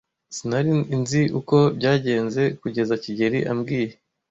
Sinari nzi uko byagenze kugeza kigeli ambwiye.